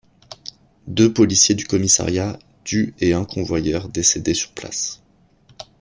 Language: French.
Deux policiers du commissariat du et un convoyeur décédaient sur place.